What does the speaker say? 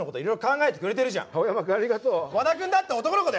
和田君だって男の子だよ